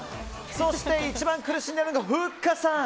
そして、一番苦しんでいるのがふっかさん。